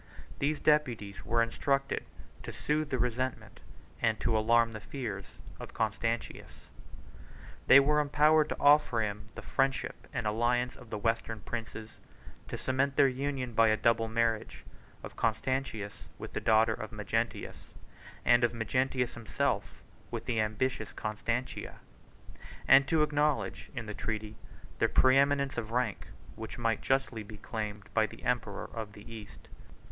These deputies were instructed to soothe the resentment, and to alarm the fears, of Constantius. They were empowered to offer him the friendship and alliance of the western princes, to cement their union by a double marriage; of Constantius with the daughter of Magnentius, and of Magnentius himself with the ambitious Constantina; and to acknowledge in the treaty the preëminence of rank, which might justly be claimed by the emperor of the East.